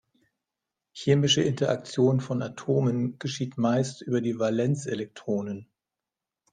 Chemische Interaktion von Atomen geschieht meist über die Valenzelektronen.